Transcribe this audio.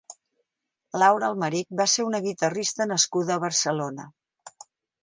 Laura Almerich va ser una guitarrista nascuda a Barcelona.